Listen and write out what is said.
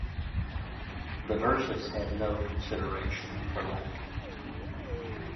The verses had no consideration for length.